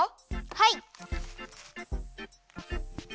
はい。